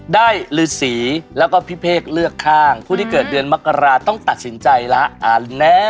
ฤษีแล้วก็พี่เภกเลือกข้างผู้ที่เกิดเดือนมกราต้องตัดสินใจแล้ว